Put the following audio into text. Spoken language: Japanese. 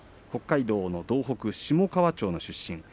北海道の東北下川町の出身。